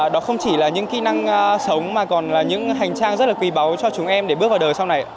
đó không chỉ là những kỹ năng sống mà còn là những hành trang rất là quý báu cho chúng em để bước vào đời sau này